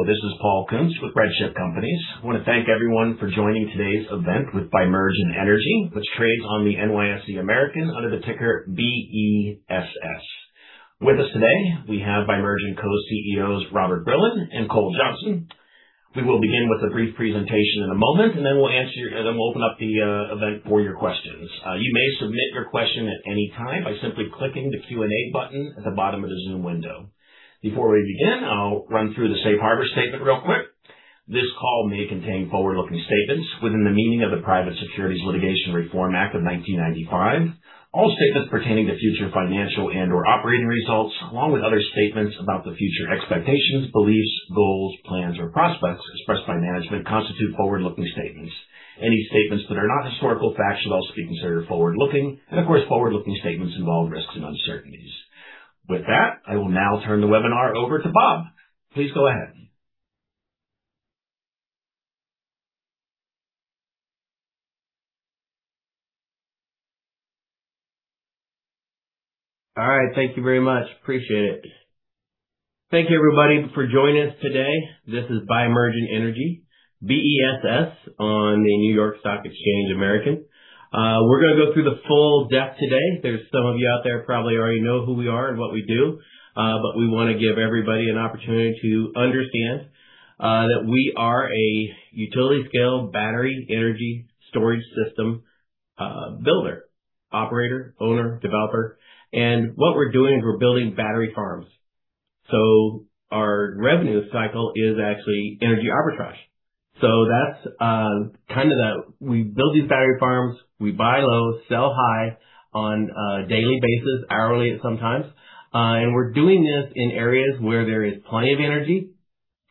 Hello, this is Paul Kuntz with RedChip Companies. I want to thank everyone for joining today's event with Bimergen Energy, which trades on the NYSE American under the ticker BESS. With us today, we have Bimergen co-CEOs, Robert Brilon and Cole Johnson. We will begin with a brief presentation in a moment, then we will open up the event for your questions. You may submit your question at any time by simply clicking the Q&A button at the bottom of the Zoom window. Before we begin, I'll run through the safe harbor statement real quick. This call may contain forward-looking statements within the meaning of the Private Securities Litigation Reform Act of 1995. All statements pertaining to future financial and/or operating results, along with other statements about the future expectations, beliefs, goals, plans, or prospects expressed by management, constitute forward-looking statements. Any statements that are not historical facts should also be considered forward-looking, and of course, forward-looking statements involve risks and uncertainties. With that, I will now turn the webinar over to Bob. Please go ahead. All right. Thank you very much. Appreciate it. Thank you everybody for joining us today. This is Bimergen Energy, BESS on the NYSE American. We're going to go through the full deck today. There's some of you out there probably already know who we are and what we do. We want to give everybody an opportunity to understand that we are a utility scale battery energy storage system builder, operator, owner, developer. What we're doing is we're building battery farms. Our revenue cycle is actually energy arbitrage. We build these battery farms. We buy low, sell high on a daily basis, hourly at some times. We're doing this in areas where there is plenty of energy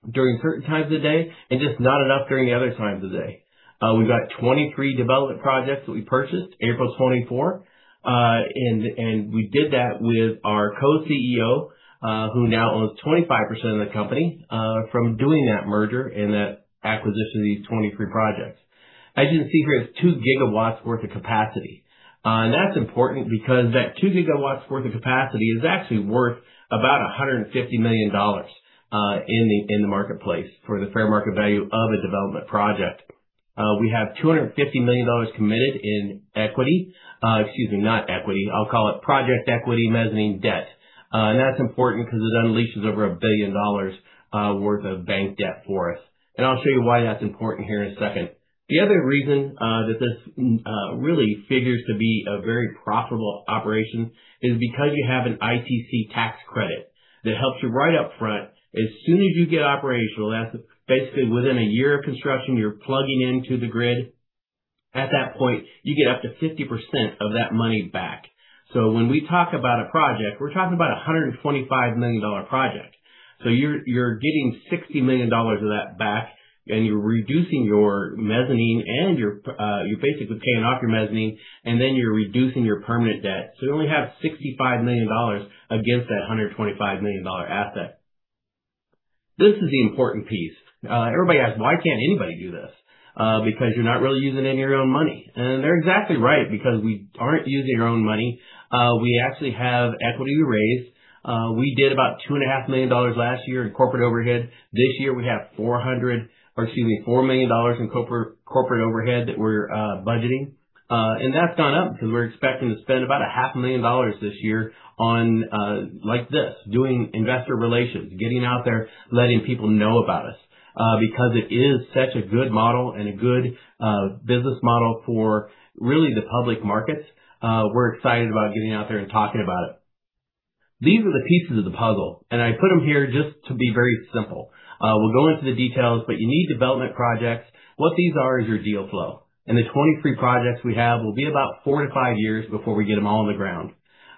during certain times of the day and just not enough during the other times of the day. We've got 23 development projects that we purchased April 24. We did that with our co-CEO, who now owns 25% of the company, from doing that merger and that acquisition of these 23 projects. As you can see here, it's 2 gigawatts worth of capacity. That's important because that 2 gigawatts worth of capacity is actually worth about $150 million in the marketplace for the fair market value of a development project. We have $250 million committed in equity. Excuse me, not equity. I'll call it project equity mezzanine debt. That's important because it unleashes over $1 billion worth of bank debt for us. I'll show you why that's important here in a second. The other reason that this really figures to be a very profitable operation is because you have an ITC tax credit that helps you right up front. As soon as you get operational, that's basically within a year of construction, you're plugging into the grid. At that point, you get up to 50% of that money back. When we talk about a project, we're talking about a $125 million project. You're getting $60 million of that back, and you're reducing your mezzanine and you're basically paying off your mezzanine, and then you're reducing your permanent debt. You only have $65 million against that $125 million asset. This is the important piece. Everybody asks, "Why can't anybody do this?" Because you're not really using any of your own money. They're exactly right because we aren't using our own money. We actually have equity we raised. We did about two and a half million dollars last year in corporate overhead. This year, we have $4 million in corporate overhead that we're budgeting. That's gone up because we're expecting to spend about a half a million dollars this year on like this, doing investor relations, getting out there, letting people know about us. It is such a good model and a good business model for really the public markets. We're excited about getting out there and talking about it. These are the pieces of the puzzle. I put them here just to be very simple. We'll go into the details, you need development projects. What these are is your deal flow. The 23 projects we have will be about 4 to 5 years before we get them all on the ground.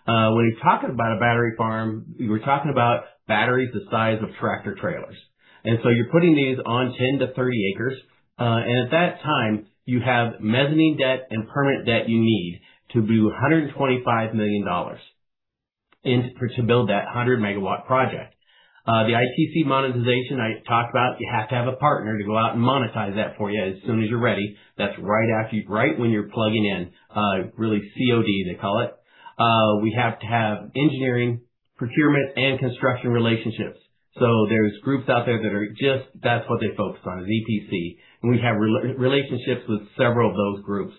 When you're talking about a battery farm, we're talking about batteries the size of tractor trailers. You're putting these on 10 to 30 acres, and at that time, you have mezzanine debt and permanent debt you need to do $125 million to build that 100 MW project. The ITC monetization I talked about, you have to have a partner to go out and monetize that for you as soon as you're ready. That's right when you're plugging in, really COD, they call it. We have to have engineering, procurement, and construction relationships. There's groups out there that are just, that's what they focus on, is EPC. We have relationships with several of those groups.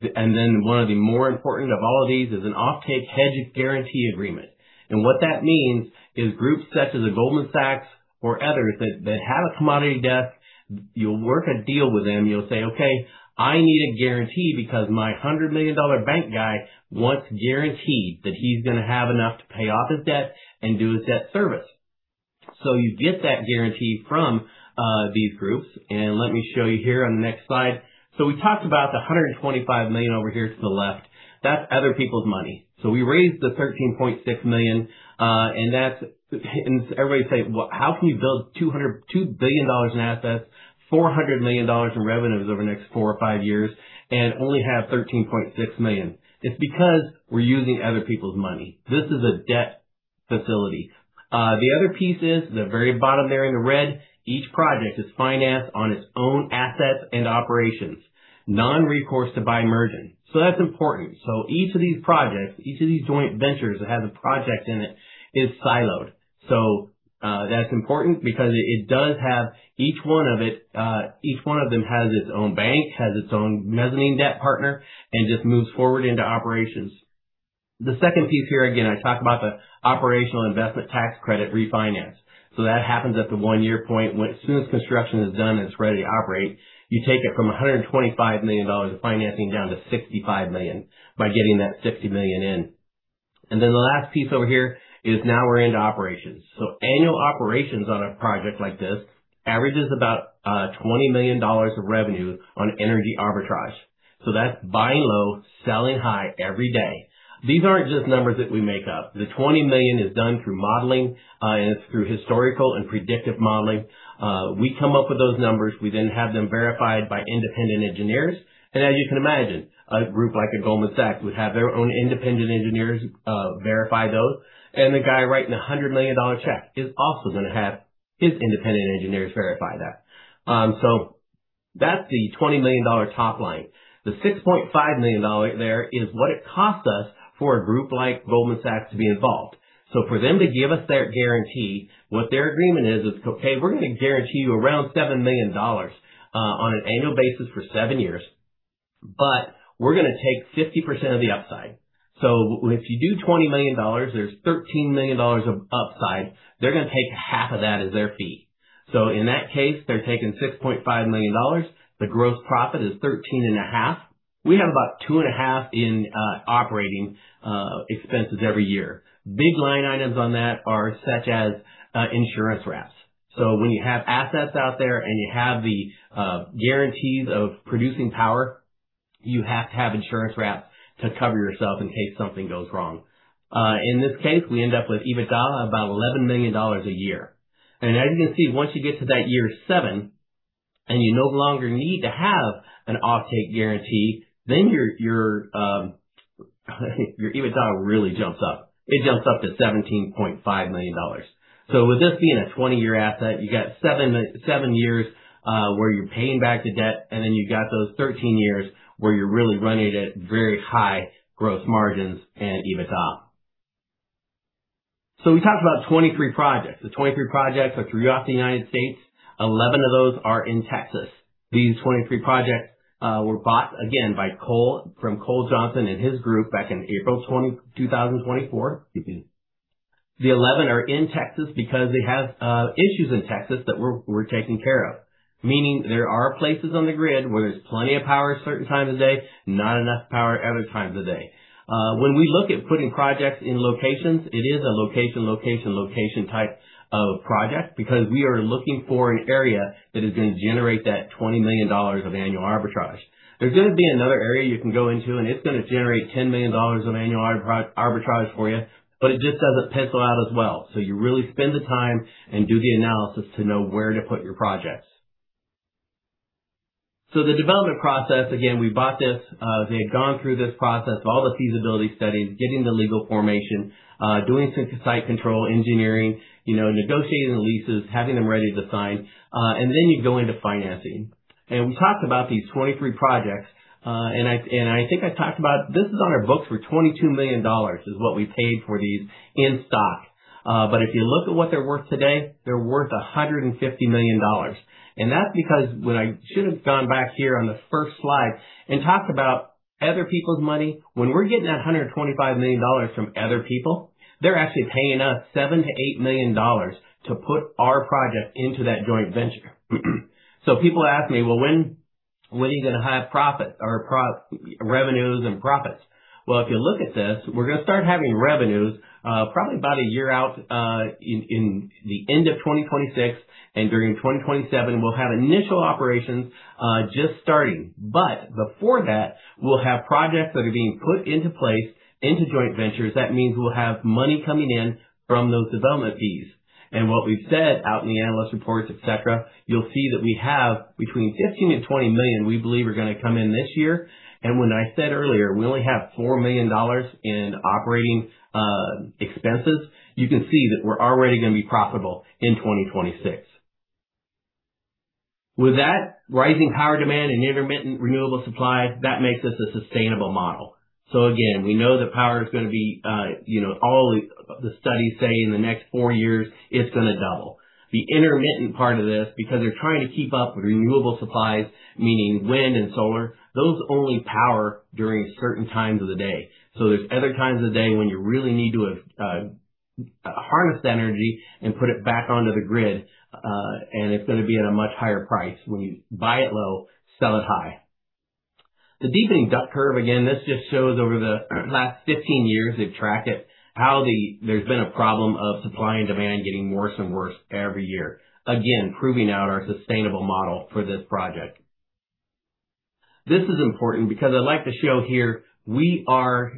One of the more important of all of these is an offtake hedge guarantee agreement. What that means is groups such as a Goldman Sachs or others that have a commodity desk, you'll work a deal with them. You'll say, "Okay, I need a guarantee because my $100 million bank guy wants guarantees that he's going to have enough to pay off his debt and do his debt service." You get that guarantee from these groups. Let me show you here on the next slide. We talked about the $125 million over here to the left. That's other people's money. We raised the $13.6 million, and everybody says, "Well, how can you build $2 billion in assets, $400 million in revenues over the next four or five years and only have $13.6 million?" It's because we're using other people's money. This is a debt facility. The other piece is the very bottom there in the red. Each project is financed on its own assets and operations, non-recourse to Bimergen. That's important. Each of these projects, each of these joint ventures that has a project in it, is siloed. That's important because each one of them has its own bank, has its own mezzanine debt partner, and just moves forward into operations. The second piece here, again, I talk about the operational investment tax credit refinance. That happens at the one-year point. As soon as construction is done and it's ready to operate, you take it from $125 million of financing down to $65 million by getting that $60 million in. The last piece over here is now we're into operations. Annual operations on a project like this averages about $20 million of revenue on energy arbitrage. That's buying low, selling high every day. These aren't just numbers that we make up. The $20 million is done through modeling, and it's through historical and predictive modeling. We come up with those numbers. We then have them verified by independent engineers. As you can imagine, a group like a Goldman Sachs would have their own independent engineers verify those. The guy writing a $100 million check is also going to have his independent engineers verify that. That's the $20 million top line. The $6.5 million there is what it costs us for a group like Goldman Sachs to be involved. For them to give us their guarantee, what their agreement is, "Okay, we're going to guarantee you around $7 million on an annual basis for seven years, but we're going to take 50% of the upside." If you do $20 million, there's $13 million of upside. They're going to take half of that as their fee. In that case, they're taking $6.5 million. The gross profit is $13.5 million. We have about $2.5 million in operating expenses every year. Big line items on that are such as insurance wraps. When you have assets out there and you have the guarantees of producing power, you have to have insurance wraps to cover yourself in case something goes wrong. In this case, we end up with EBITDA of about $11 million a year. As you can see, once you get to that year seven and you no longer need to have an offtake agreement, your EBITDA really jumps up. It jumps up to $17.5 million. With this being a 20-year asset, you got seven years where you're paying back the debt, and you got those 13 years where you're really running it at very high growth margins and EBITDA. We talked about 23 projects. The 23 projects are throughout the U.S. Eleven of those are in Texas. These 23 projects were bought again from Cole Johnson and his group back in April 2024. The 11 are in Texas because they have issues in Texas that were taken care of, meaning there are places on the grid where there's plenty of power at certain times of day, not enough power at other times of day. When we look at putting projects in locations, it is a location, location type of project because we are looking for an area that is going to generate that $20 million of annual energy arbitrage. There's going to be another area you can go into, and it's going to generate $10 million of annual energy arbitrage for you, but it just doesn't pencil out as well. You really spend the time and do the analysis to know where to put your projects. The development process, again, we bought this. They had gone through this process, all the feasibility studies, getting the legal formation, doing site control engineering, negotiating the leases, having them ready to sign, then you go into financing. We talked about these 23 projects. I think I talked about this is on our books for $22 million, is what we paid for these in stock. If you look at what they're worth today, they're worth $150 million. That's because when I should have gone back here on the first slide and talked about other people's money. When we're getting that $125 million from other people, they're actually paying us $7 million to $8 million to put our project into that joint venture. People ask me, "Well, when are you going to have revenues and profits?" Well, if you look at this, we're going to start having revenues probably about a year out in the end of 2026 and during 2027, we'll have initial operations just starting. Before that, we'll have projects that are being put into place into joint ventures. That means we'll have money coming in from those development fees. What we've said out in the analyst reports, et cetera, you'll see that we have between $15 million and $20 million we believe are going to come in this year. When I said earlier, we only have $4 million in operating expenses, you can see that we're already going to be profitable in 2026. With that rising power demand and intermittent renewable supply, that makes this a sustainable model. Again, we know that power is going to be-- All the studies say in the next four years, it's going to double. The intermittent part of this, because they're trying to keep up with renewable supplies, meaning wind and solar, those only power during certain times of the day. There's other times of day when you really need to harness the energy and put it back onto the grid, and it's going to be at a much higher price. When you buy it low, sell it high. The deepening duck curve, again, this just shows over the last 15 years they've tracked it, how there's been a problem of supply and demand getting worse and worse every year, again, proving out our sustainable model for this project. This is important because I'd like to show here we are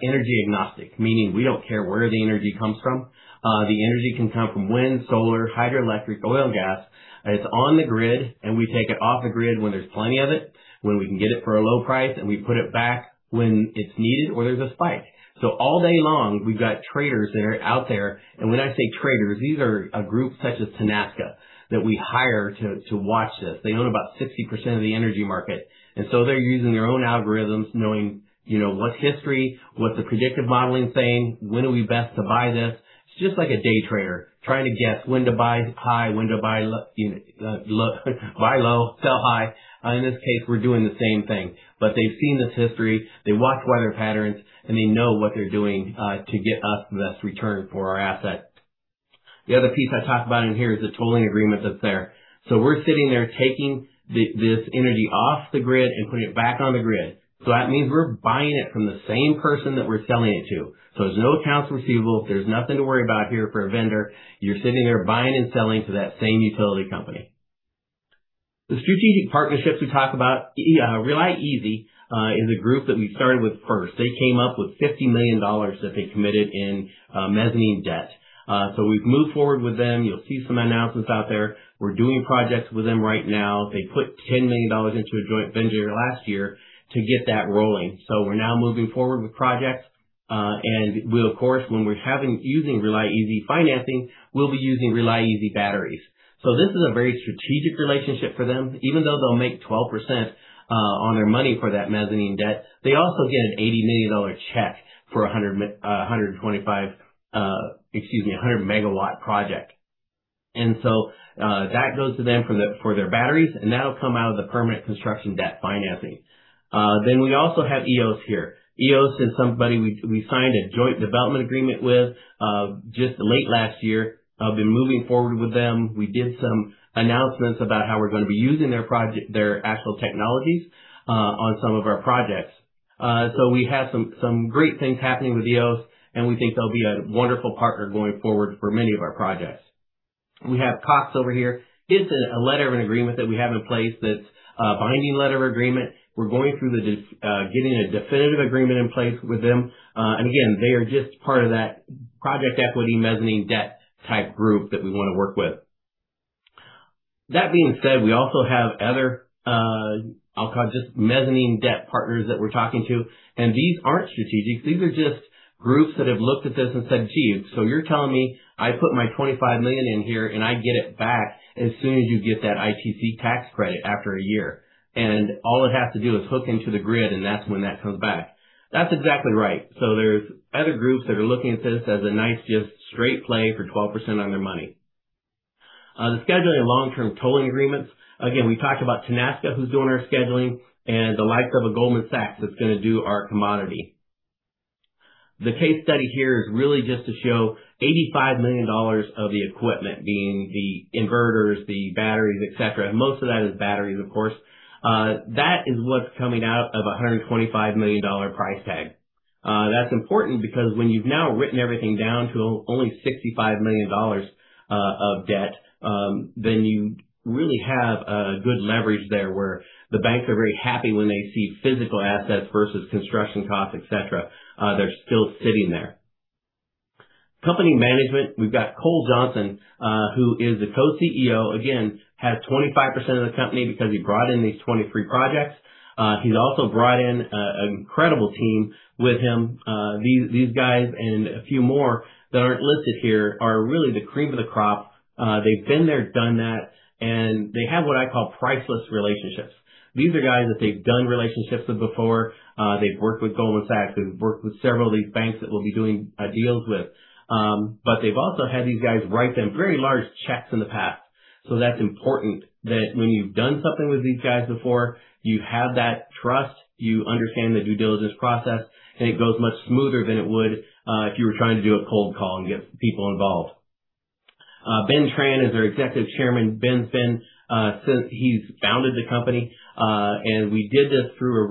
energy agnostic, meaning we don't care where the energy comes from. The energy can come from wind, solar, hydroelectric, oil, and gas. It's on the grid, and we take it off the grid when there's plenty of it, when we can get it for a low price, and we put it back when it's needed or there's a spike. All day long, we've got traders that are out there. When I say traders, these are a group such as Tenaska that we hire to watch this. They own about 60% of the energy market, they're using their own algorithms knowing what's history, what's the predictive modeling saying, when are we best to buy this? It's just like a day trader trying to guess when to buy high, when to buy low, sell high. In this case, we're doing the same thing. They've seen this history, they watch weather patterns, and they know what they're doing to get us the best return for our asset. The other piece I talk about in here is the tolling agreement that's there. We're sitting there taking this energy off the grid and putting it back on the grid. That means we're buying it from the same person that we're selling it to. There's no accounts receivable. There's nothing to worry about here for a vendor. You're sitting there buying and selling to that same utility company. The strategic partnerships we talk about, reLi Energy, is a group that we started with first. They came up with $50 million that they committed in mezzanine debt. We've moved forward with them. You'll see some announcements out there. We're doing projects with them right now. They put $10 million into a joint venture last year to get that rolling. We're now moving forward with projects. Of course, when we're using reLi Energy financing, we'll be using reLi Energy batteries. This is a very strategic relationship for them. Even though they'll make 12% on their money for that mezzanine debt, they also get an $80 million check for 100 MW project. That goes to them for their batteries, and that'll come out of the permanent construction debt financing. We also have Eos here. Eos is somebody we signed a joint development agreement with just late last year. I've been moving forward with them. We did some announcements about how we're going to be using their actual technologies on some of our projects. We have some great things happening with Eos, and we think they'll be a wonderful partner going forward for many of our projects. We have Cox over here. It's a letter of an agreement that we have in place that's a binding letter of agreement. We're going through getting a definitive agreement in place with them. Again, they are just part of that project equity mezzanine debt type group that we want to work with. That being said, we also have other, I'll call it just mezzanine debt partners that we're talking to. These aren't strategic. These are just groups that have looked at this and said, "Gee, so you're telling me I put my $25 million in here and I get it back as soon as you get that ITC tax credit after a year, and all it has to do is hook into the grid, and that's when that comes back?" That's exactly right. There's other groups that are looking at this as a nice, just straight play for 12% on their money. The scheduling of long-term tolling agreements. Again, we talked about Tenaska who's doing our scheduling and the likes of a Goldman Sachs that's going to do our commodity. The case study here is really just to show $85 million of the equipment, being the inverters, the batteries, et cetera. Most of that is batteries, of course. That is what's coming out of $125 million price tag. That's important because when you've now written everything down to only $65 million of debt, then you really have a good leverage there where the banks are very happy when they see physical assets versus construction costs, et cetera. They're still sitting there. Company management. We've got Cole Johnson, who is the Co-CEO. Again, has 25% of the company because he brought in these 23 projects. He's also brought in an incredible team with him. These guys and a few more that aren't listed here are really the cream of the crop. They've been there, done that, and they have what I call priceless relationships. These are guys that they've done relationships with before. They've worked with Goldman Sachs. They've worked with several of these banks that we'll be doing deals with. They've also had these guys write them very large checks in the past. That's important that when you've done something with these guys before, you have that trust, you understand the due diligence process, and it goes much smoother than it would if you were trying to do a cold call and get people involved. Ben Tran is our Executive Chairman. Ben's been since he's founded the company. We did this through a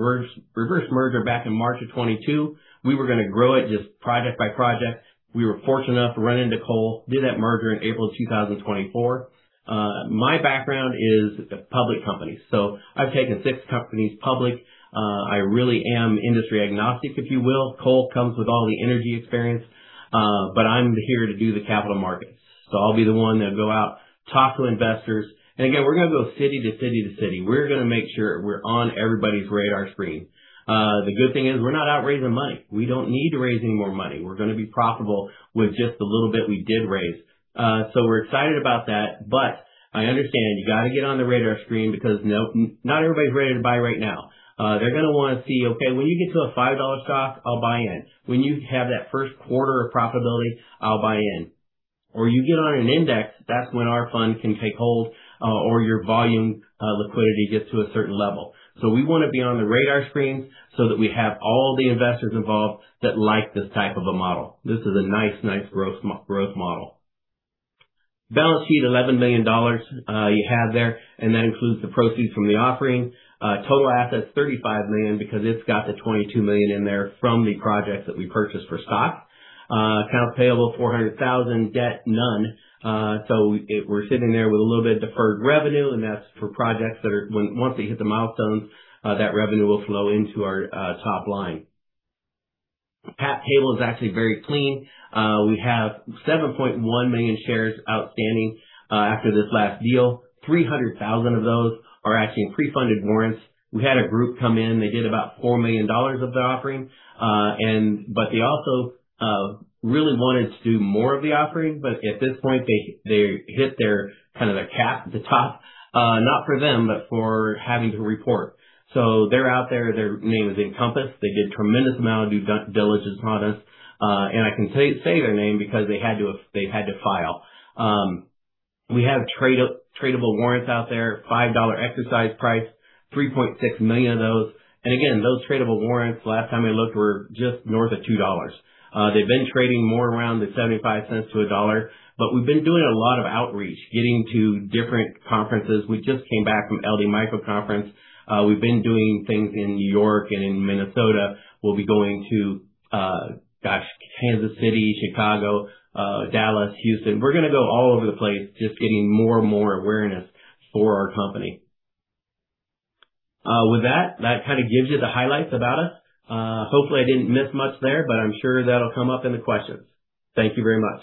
reverse merger back in March of 2022. We were going to grow it just project by project. We were fortunate enough to run into Cole, did that merger in April 2024. My background is public companies. I've taken six companies public. I really am industry agnostic, if you will. Cole comes with all the energy experience. I'm here to do the capital markets. I'll be the one that'll go out, talk to investors. Again, we're going to go city to city to city. We're going to make sure we're on everybody's radar screen. The good thing is we're not out raising money. We don't need to raise any more money. We're going to be profitable with just the little bit we did raise. We're excited about that. I understand you got to get on the radar screen because not everybody's ready to buy right now. They're going to want to see, okay, when you get to a $5 stock, I'll buy in. When you have that first quarter of profitability, I'll buy in. You get on an index, that's when our fund can take hold, or your volume liquidity gets to a certain level. We want to be on the radar screen so that we have all the investors involved that like this type of a model. This is a nice growth model. Balance sheet, $11 million you have there, and that includes the proceeds from the offering. Total assets, $35 million, because it's got the $22 million in there from the projects that we purchased for stock. Accounts payable, $400,000. Debt, none. We're sitting there with a little bit of deferred revenue, and that's for projects that once they hit the milestones, that revenue will flow into our top line. Cap table is actually very clean. We have 7.1 million shares outstanding after this last deal. 300,000 of those are actually in pre-funded warrants. We had a group come in. They did about $4 million of the offering. They also really wanted to do more of the offering. At this point, they hit their kind of their cap at the top. Not for them, but for having to report. They're out there. Their name is Encompass. They did tremendous amount of due diligence on us. I can say their name because they had to file. We have tradable warrants out there, $5 exercise price, 3.6 million of those. Again, those tradable warrants, last time we looked, were just north of $2. They've been trading more around $0.75 to $1. We've been doing a lot of outreach, getting to different conferences. We just came back from LD Micro Conference. We've been doing things in New York and in Minnesota. We'll be going to, gosh, Kansas City, Chicago, Dallas, Houston. We're going to go all over the place, just getting more and more awareness for our company. With that kind of gives you the highlights about us. Hopefully, I didn't miss much there, but I'm sure that'll come up in the questions. Thank you very much.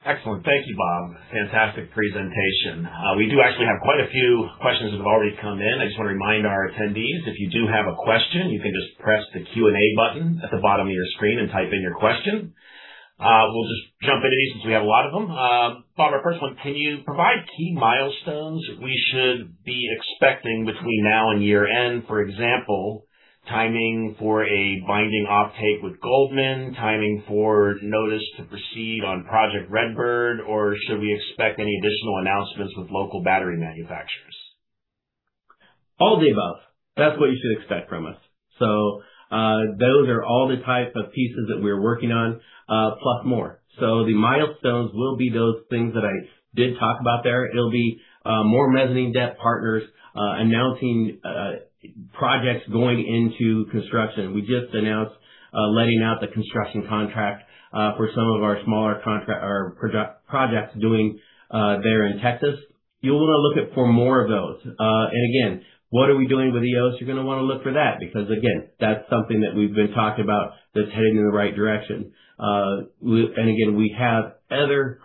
Excellent. Thank you, Bob. Fantastic presentation. We do actually have quite a few questions that have already come in. I just want to remind our attendees, if you do have a question, you can just press the Q&A button at the bottom of your screen and type in your question. We'll just jump into these since we have a lot of them. Bob, our first one, can you provide key milestones we should be expecting between now and year-end? For example, timing for a binding offtake with Goldman, timing for notice to proceed on Project Redbird, or should we expect any additional announcements with local battery manufacturers? All the above. That's what you should expect from us. Those are all the type of pieces that we're working on, plus more. The milestones will be those things that I did talk about there. It'll be more mezzanine debt partners announcing projects going into construction. We just announced letting out the construction contract for some of our smaller projects doing there in Texas. You'll want to look out for more of those. Again, what are we doing with Eos? You're going to want to look for that because again, that's something that we've been talking about that's heading in the right direction. Again, we have other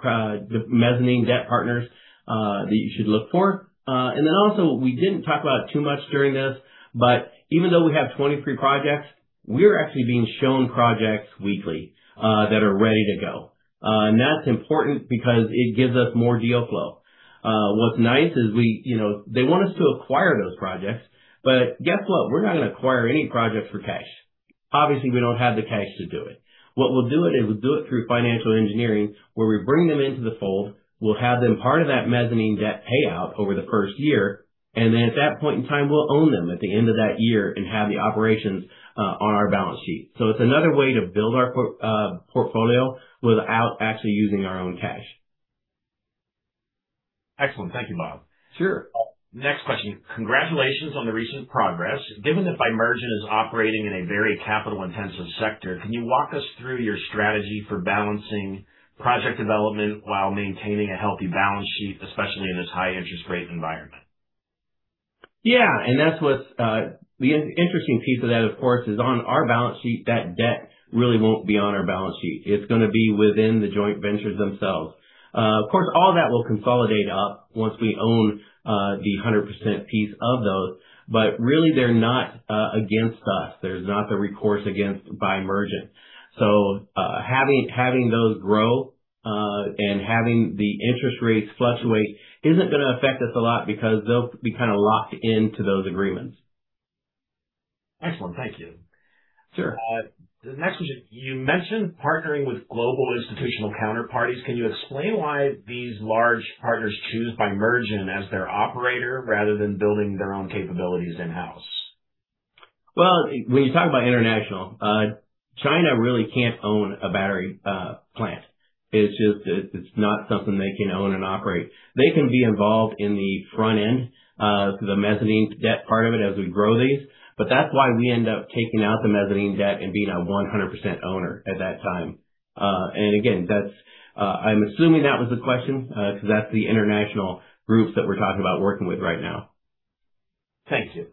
mezzanine debt partners that you should look for. Also, we didn't talk about it too much during this, but even though we have 23 projects, we're actually being shown projects weekly that are ready to go. That's important because it gives us more deal flow. What's nice is they want us to acquire those projects, but guess what? We're not going to acquire any project for cash. Obviously, we don't have the cash to do it. What we'll do it is we'll do it through financial engineering, where we bring them into the fold, we'll have them part of that mezzanine debt payout over the first year, and then at that point in time, we'll own them at the end of that year and have the operations on our balance sheet. It's another way to build our portfolio without actually using our own cash. Excellent. Thank you, Bob. Sure. Next question. Congratulations on the recent progress. Given that Bimergen is operating in a very capital-intensive sector, can you walk us through your strategy for balancing project development while maintaining a healthy balance sheet, especially in this high interest rate environment? Yeah. The interesting piece of that, of course, is on our balance sheet, that debt really won't be on our balance sheet. It's going to be within the joint ventures themselves. Of course, all that will consolidate up once we own the 100% piece of those, but really, they're not against us. There's not the recourse against Bimergen. Having those grow, and having the interest rates fluctuate isn't going to affect us a lot because they'll be kind of locked into those agreements. Excellent. Thank you. Sure. The next question. You mentioned partnering with global institutional counterparties. Can you explain why these large partners choose Bimergen as their operator rather than building their own capabilities in-house? When you talk about international, China really can't own a battery plant. It's not something they can own and operate. They can be involved in the front end, the mezzanine debt part of it as we grow these. That's why we end up taking out the mezzanine debt and being a 100% owner at that time. Again, I'm assuming that was the question, because that's the international groups that we're talking about working with right now. Thank you.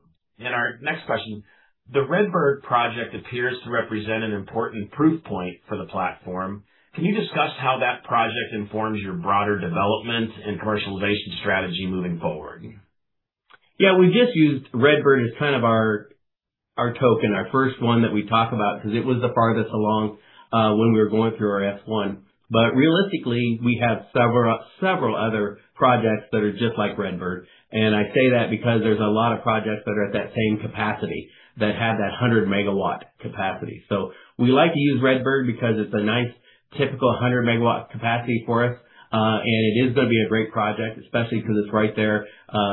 Our next question. The Redbird project appears to represent an important proof point for the platform. Can you discuss how that project informs your broader development and commercialization strategy moving forward? We have just used Redbird as kind of our token, our first one that we talk about because it was the farthest along when we were going through our S-1. Realistically, we have several other projects that are just like Redbird. I say that because there are a lot of projects that are at that same capacity that have that 100-megawatt capacity. We like to use Redbird because it is a nice typical 100-megawatt capacity for us. It is going to be a great project, especially because it is right there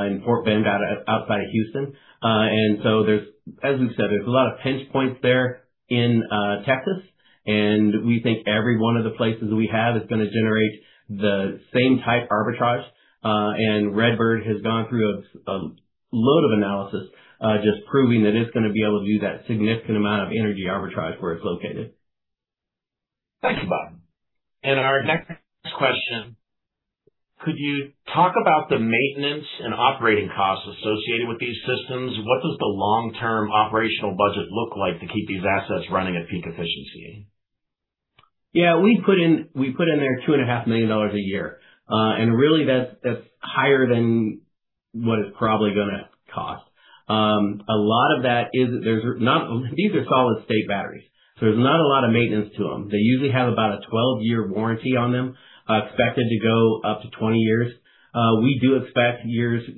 in Fort Bend, outside of Houston. As we have said, there are a lot of pinch points there in Texas, and we think every one of the places we have is going to generate the same type arbitrage. Redbird has gone through a load of analysis just proving that it is going to be able to do that significant amount of energy arbitrage where it is located. Thanks, Bob. Could you talk about the maintenance and operating costs associated with these systems? What does the long-term operational budget look like to keep these assets running at peak efficiency? We put in there $2.5 million a year. Really that is higher than what it is probably going to cost. These are solid state batteries, so there is not a lot of maintenance to them. They usually have about a 12-year warranty on them, expected to go up to 20 years. We do expect years, 12-15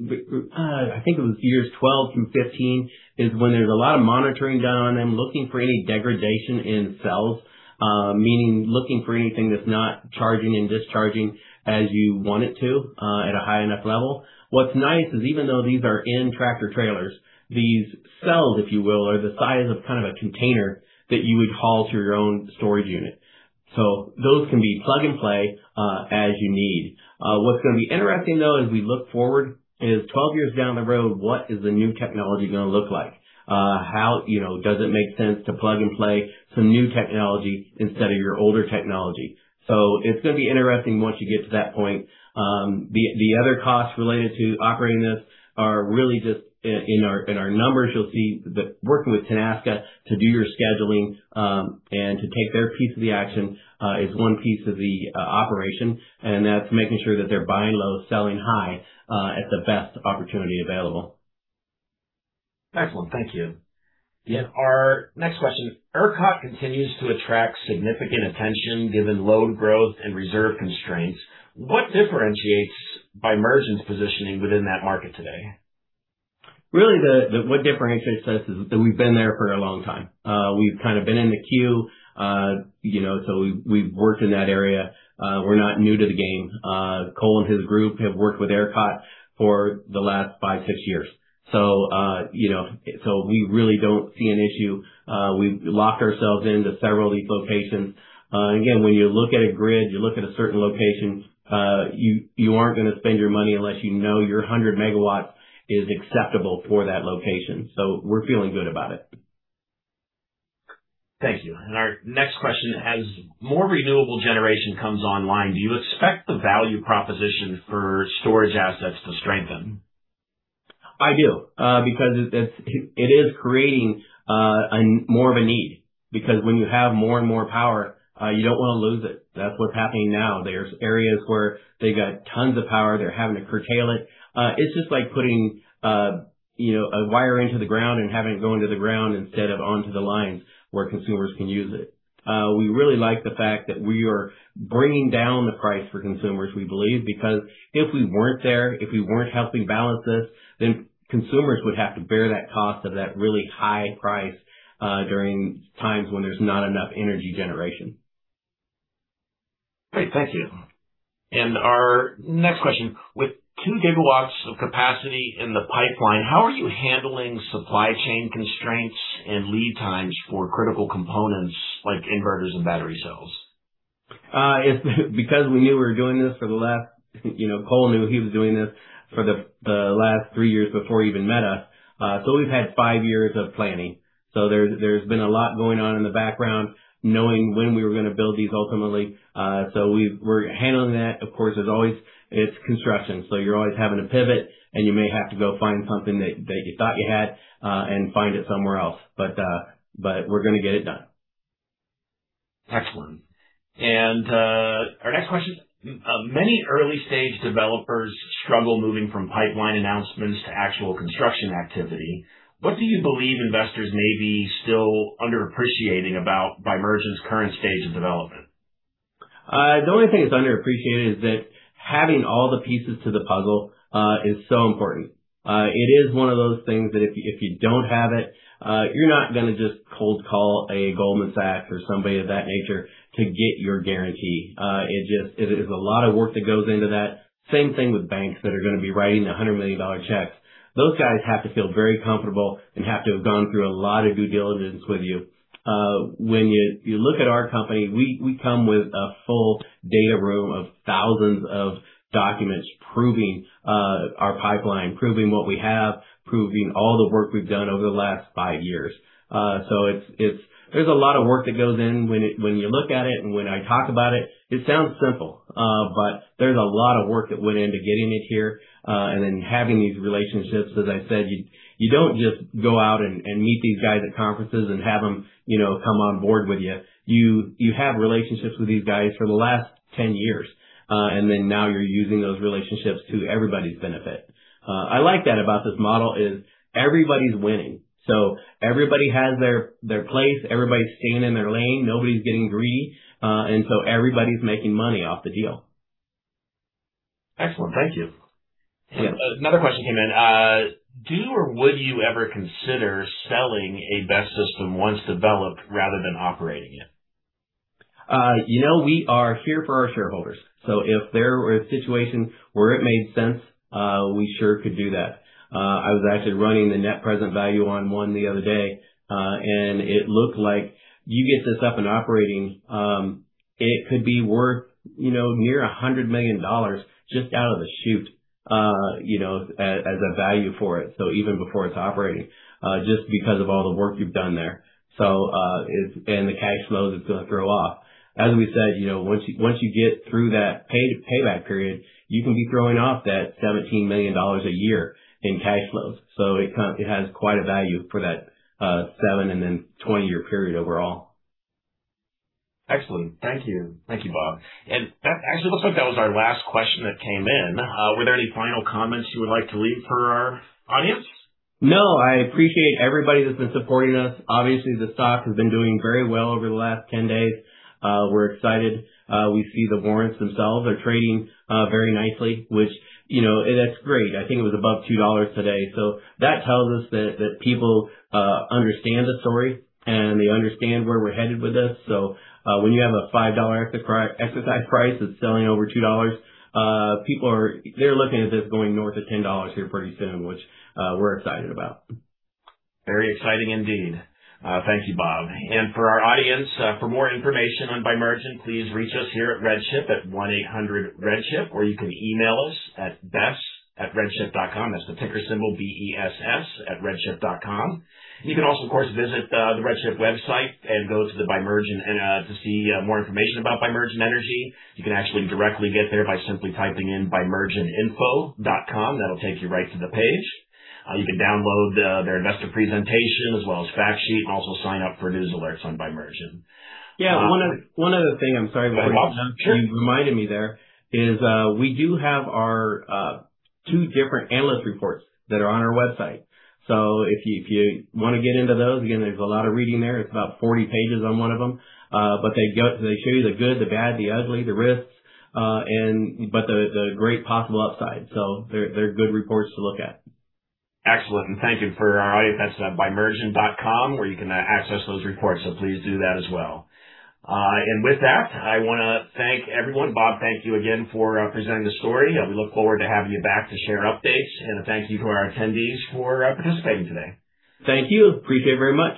is when there is a lot of monitoring done on them, looking for any degradation in cells. Meaning, looking for anything that is not charging and discharging as you want it to at a high enough level. What is nice is even though these are in tractor trailers, these cells, if you will, are the size of a container that you would haul to your own storage unit. So those can be plug-and-play as you need. It's going to be interesting, though, as we look forward is 12 years down the road, what is the new technology going to look like? Does it make sense to plug and play some new technology instead of your older technology? It's going to be interesting once you get to that point. The other costs related to operating this are really just in our numbers. You'll see that working with Tenaska to do your scheduling and to take their piece of the action is one piece of the operation, and that's making sure that they're buying low, selling high at the best opportunity available. Excellent. Thank you. Our next question. ERCOT continues to attract significant attention given load growth and reserve constraints. What differentiates Bimergen's positioning within that market today? Really, what differentiates us is that we've been there for a long time. We've kind of been in the queue. We've worked in that area. We're not new to the game. Cole and his group have worked with ERCOT for the last five, six years. We really don't see an issue. We've locked ourselves into several of these locations. Again, when you look at a grid, you look at a certain location, you aren't going to spend your money unless you know your 100 megawatt is acceptable for that location. We're feeling good about it. Thank you. Our next question: as more renewable generation comes online, do you expect the value proposition for storage assets to strengthen? I do, because it is creating more of a need. When you have more and more power, you don't want to lose it. That is what is happening now. There is areas where they've got tons of power. They're having to curtail it. It is just like putting a wire into the ground and having it go into the ground instead of onto the lines where consumers can use it. We really like the fact that we are bringing down the price for consumers, we believe, because if we weren't there, if we weren't helping balance this, then consumers would have to bear that cost of that really high price during times when there is not enough energy generation. Great. Thank you. Our next question. With 2 gigawatts of capacity in the pipeline, how are you handling supply chain constraints and lead times for critical components like inverters and battery cells? Because we knew we were doing this for the last. Cole knew he was doing this for the last 3 years before he even met us. We've had 5 years of planning. There has been a lot going on in the background, knowing when we were going to build these ultimately. We're handling that. Of course, it is construction, so you're always having to pivot, and you may have to go find something that you thought you had and find it somewhere else. We're going to get it done. Excellent. Our next question. Many early-stage developers struggle moving from pipeline announcements to actual construction activity. What do you believe investors may be still underappreciating about Bimergen's current stage of development? The only thing that's underappreciated is that having all the pieces to the puzzle is so important. It is one of those things that if you don't have it, you're not going to just cold call a Goldman Sachs or somebody of that nature to get your guarantee. It is a lot of work that goes into that. Same thing with banks that are going to be writing the $100 million checks. Those guys have to feel very comfortable and have to have gone through a lot of due diligence with you. When you look at our company, we come with a full data room of thousands of documents proving our pipeline, proving what we have, proving all the work we've done over the last five years. There's a lot of work that goes in when you look at it and when I talk about it. It sounds simple, but there's a lot of work that went into getting it here. Having these relationships, as I said, you don't just go out and meet these guys at conferences and have them come on board with you. You have relationships with these guys for the last 10 years, now you're using those relationships to everybody's benefit. I like that about this model is everybody's winning. Everybody has their place. Everybody's staying in their lane. Nobody's getting greedy. Everybody's making money off the deal. Excellent. Thank you. Another question came in. Do or would you ever consider selling a BESS system once developed rather than operating it? We are here for our shareholders, so if there were a situation where it made sense, we sure could do that. I was actually running the net present value on one the other day, and it looked like you get this up and operating, it could be worth near $100 million just out of the chute as a value for it. Even before it's operating, just because of all the work you've done there and the cash flows it's going to throw off. As we said, once you get through that payback period, you can be throwing off that $17 million a year in cash flows. It has quite a value for that seven and then 20 year period overall. Excellent. Thank you. Thank you, Bob. That actually looks like that was our last question that came in. Were there any final comments you would like to leave for our audience? No, I appreciate everybody that's been supporting us. Obviously, the stock has been doing very well over the last 10 days. We're excited. We see the warrants themselves are trading very nicely, which that's great. I think it was above $2 today. That tells us that people understand the story and they understand where we're headed with this. When you have a $5 exercise price that's selling over $2, people are looking at this going north of $10 here pretty soon, which we're excited about. Very exciting indeed. Thank you, Bob. For our audience, for more information on Bimergen, please reach us here at RedChip at 1-800-RedChip, or you can email us at BESS@RedChip.com. That's the ticker symbol B-E-S-S@RedChip.com. You can also, of course, visit the RedChip website and go to the Bimergen to see more information about Bimergen Energy. You can actually directly get there by simply typing in bimergeninfo.com. That'll take you right to the page. You can download their investor presentation as well as fact sheet, and also sign up for news alerts on Bimergen. Yeah. One other thing. I'm sorry. Go ahead, Bob. Sure. You reminded me there is we do have our two different analyst reports that are on our website. If you want to get into those, again, there's a lot of reading there. It's about 40 pages on one of them. They show you the good, the bad, the ugly, the risks, but the great possible upside. They're good reports to look at. Excellent, and thank you. For our audience, that's bimergen.com, where you can access those reports. Please do that as well. With that, I want to thank everyone. Bob, thank you again for presenting the story. We look forward to having you back to share updates. A thank you to our attendees for participating today. Thank you. Appreciate it very much.